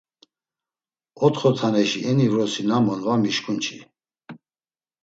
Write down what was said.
Otxo taneşi eni vrosi nam on, va mişǩun çi.